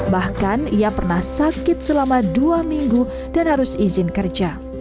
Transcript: bahkan ia pernah sakit selama dua minggu dan harus izin kerja